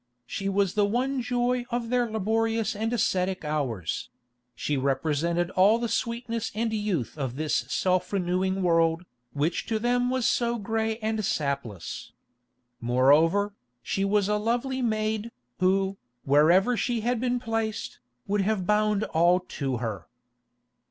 She was the one joy of their laborious and ascetic hours; she represented all the sweetness and youth of this self renewing world, which to them was so grey and sapless. Moreover, she was a lovely maid, who, wherever she had been placed, would have bound all to her.